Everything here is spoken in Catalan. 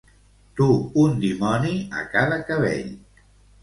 Dur un dimoni a cada cabell.